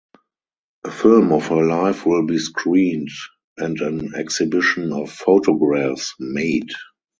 A film of her life will be screened and an exhibition of photographs made.